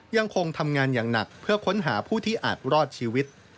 ยังคงทำงานอย่างหนักเพื่อค้นหาผู้ที่อาจรอดชีวิต